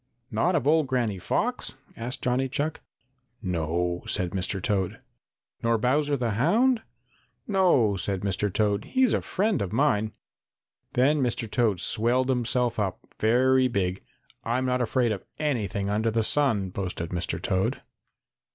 "Not of old Granny Fox?" asked Johnny Chuck. "No," said Mr. Toad. "Nor Bowser the Hound?" "No," said Mr. Toad. "He's a friend of mine." Then Mr. Toad swelled himself up very big. "I'm not afraid of anything under the sun," boasted Mr. Toad.